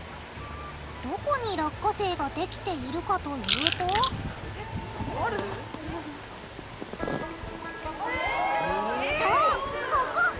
どこに落花生ができているかというとそうここ！